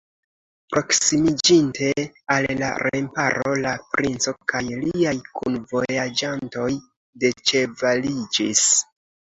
Proksimiĝinte al la remparo, la princo kaj liaj kunvojaĝantoj deĉevaliĝis.